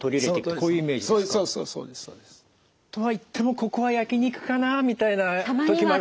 そうですそうです。とは言ってもここは焼き肉かなみたいな時もある。